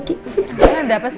enggak enggak apa sih